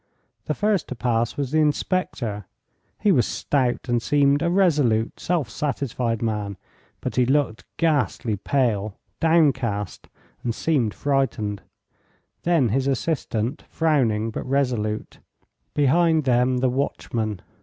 The first to pass was the inspector. He was stout, and seemed a resolute, self satisfied man, but he looked ghastly pale, downcast, and seemed frightened; then his assistant, frowning but resolute; behind them the watchman.